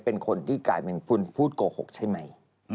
เป็นคนที่กลายเป็นพูดโกหกใช่ไหม